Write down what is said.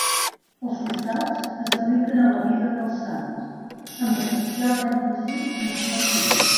Els costats es dediquen a la vida dels sants, amb especial èmfasi en els martiris.